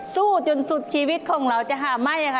สู้จนสุดชีวิตของเราจะหาไม่ค่ะ